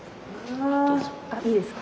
あっいいですか？